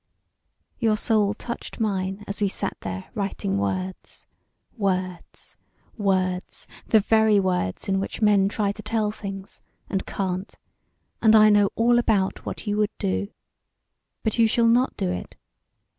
Your soul touched mine as we sat there writing words words words, the very words in which men try to tell things, and can't and I know all about what you would do. But you shall not do it.